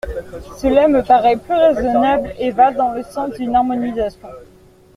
Cela me paraît plus raisonnable et va dans le sens d’une harmonisation.